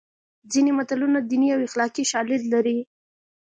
ځینې متلونه دیني او اخلاقي شالید لري